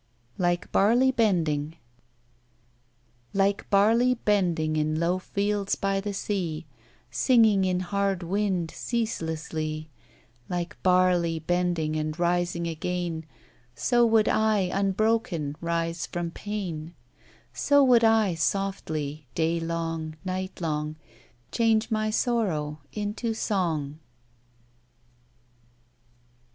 "Like Barley Bending" Like barley bending In low fields by the sea, Singing in hard wind Ceaselessly; Like barley bending And rising again, So would I, unbroken, Rise from pain; So would I softly, Day long, night long, Change my sorrow Into song.